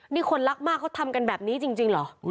นี่คนรักมากเขาทำกันแบบนี้จริงเหรอ